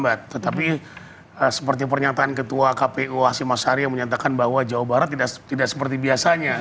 tetapi seperti pernyataan ketua kpu hashim ashari yang menyatakan bahwa jawa barat tidak seperti biasanya